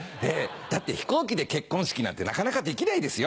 だって飛行機で結婚式なんてなかなかできないですよ。